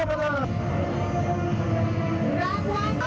ภาพที่คุณผู้ชมเห็นอยู่นี้นะคะบรรยากาศหน้าเวทีตอนนี้เริ่มมีผู้แทนจำหน่ายไปจับจองพื้นที่